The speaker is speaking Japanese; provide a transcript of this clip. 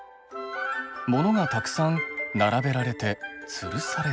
モノがたくさん並べられてつるされて。